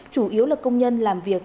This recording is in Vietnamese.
chủ yếu là công nhân làm việc